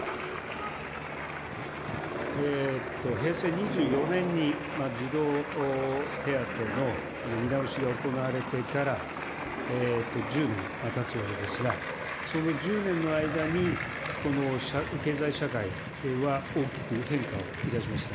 平成２４年に児童手当の見直しが行われてから、１０年たつわけですが、その１０年の間に、この経済社会は大きく変化をいたしました。